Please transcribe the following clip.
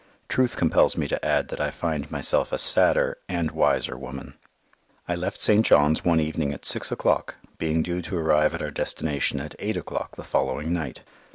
Truth compels me to add that I find myself a sadder and wiser woman. I left St. John's one evening at six o'clock, being due to arrive at our destination at eight o'clock the following night.